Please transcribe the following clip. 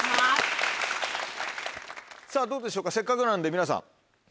さぁどうでしょうかせっかくなんで皆さん近くで。